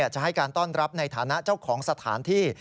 จะให้การต้อนรับในฐานะเจ้าของสถานที่